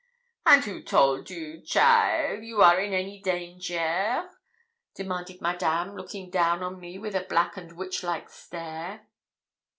'And who told you, cheaile, you are in any danger?' demanded Madame, looking down on me with a black and witchlike stare.